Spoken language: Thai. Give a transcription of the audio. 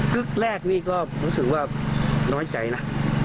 แรกนี่ก็รู้สึกว่าน้อยใจนะ